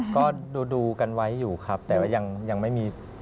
ก็ดูกันไว้อยู่ครับแต่ว่ายังไม่มี